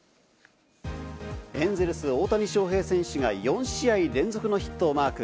エンゼルス・大谷翔平選手が４試合連続のヒットをマーク。